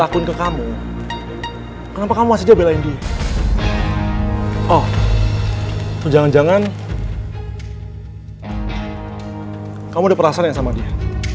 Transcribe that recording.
kamu udah perasan ya sama dia